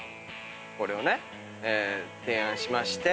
これをね提案しまして。